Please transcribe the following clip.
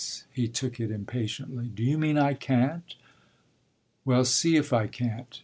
He took it impatiently. "Do you mean I can't? Well see if I can't.